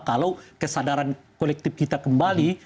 kalau kesadaran kolektif kita kembali